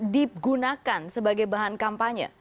digunakan sebagai bahan kampanye